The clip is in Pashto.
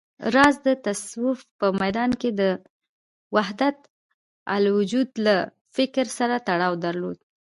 راز د تصوف په ميدان کې د وحدتالوجود له فکر سره تړاو درلود